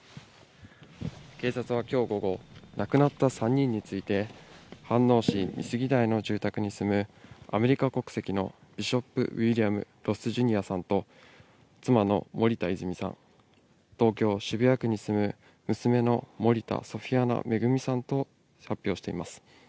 警察はきょう午後、亡くなった３人について、飯能市美杉台の住宅に住む、アメリカ国籍のビショップ・ウィリアム・ロス・ジュニアさんと、妻の森田泉さん、東京・渋谷区に住む娘の森田ソフィアナ恵さんと発表しています。